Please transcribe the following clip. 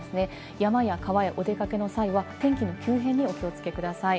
山や川やお出かけの際は、天気の急変にお気をつけください。